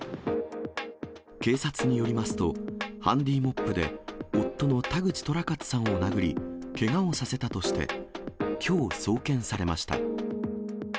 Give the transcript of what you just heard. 警察によりますと、ハンディモップで夫の田口寅勝さんを殴り、けがをさせたとして、きょう送検されました。